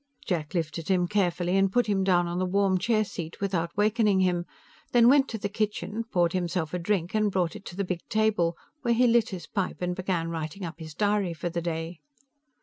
Jack lifted him carefully and put him down on the warm chair seat without wakening him, then went to the kitchen, poured himself a drink and brought it in to the big table, where he lit his pipe and began writing up his diary for the day.